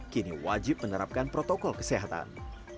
kini wajib menerapkan protokol kesehatan